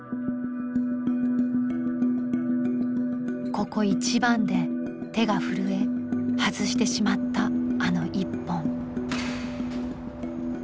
ここ一番で手が震え外してしまったあの１本。